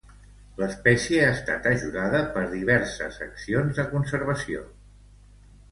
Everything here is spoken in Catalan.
L'espècie ha estat ajudada per diverses accions de conservació.